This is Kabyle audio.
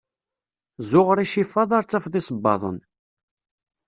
zuɣer icifaḍ ar tafeḍ isebbaḍen.